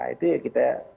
itu ya kita pertanyakan juga